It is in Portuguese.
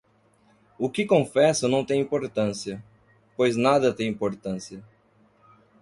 O que confesso não tem importância, pois nada tem importância.